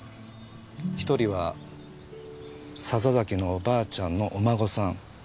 一人は笹崎のおばあちゃんのお孫さん